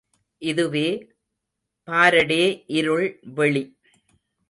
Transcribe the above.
இதுவே பாரடே இருள் வெளி.